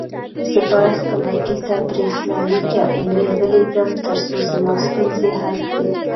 زه بايد خپل وکيل ته بريښناليک يا اى ميل وليږم، ترڅو زما ستونزي حل کړې.